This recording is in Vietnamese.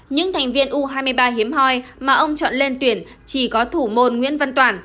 những thành viên u hai mươi ba hiếm hoi mà ông chọn lên tuyển chỉ có thủ môn nguyễn văn toản